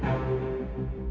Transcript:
masa yang baik